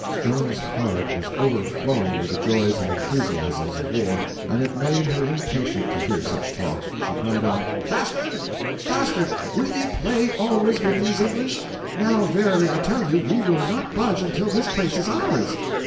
Joan's heart was overflowing with the joys and enthusiasms of war, and it made her impatient to hear such talk. She cried out: "Bastard, Bastard, will ye play always with these English? Now verily I tell you we will not budge until this place is ours.